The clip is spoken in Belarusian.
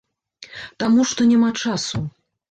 Таму што няма часу.